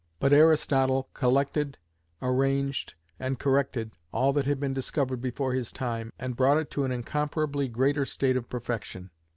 But Aristotle collected, arranged, and corrected all that had been discovered before his time, and brought it to an incomparably greater state of perfection.